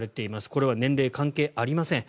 これは年齢、関係ありません。